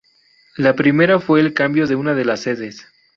La primera fue el cambio de una de las sedes.